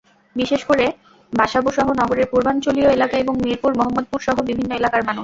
বিশেষ করে বাসাবোসহ নগরের পূর্বাঞ্চলীয় এলাকা এবং মিরপুর, মোহাম্মদপুরসহ বিভিন্ন এলাকার মানুষ।